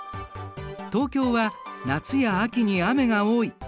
東京は夏や秋に雨が多い。